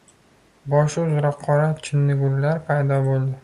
Boshi uzra qora chinnigullar paydo bo’ldi